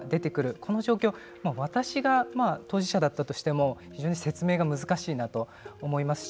この状況私が当事者だったとしても非常に説明が難しいなと思いますし。